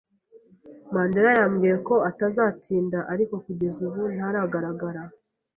Mandera yambwiye ko atazatinda, ariko kugeza ubu ntaragaragara.